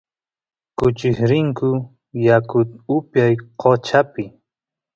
kuchis rinku yakut upyaq qochapi